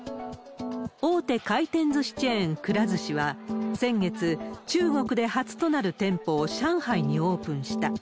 大手回転ずしチェーン、くら寿司は、先月、中国で初となる店舗を上海にオープンした。